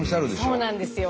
そうなんですよ。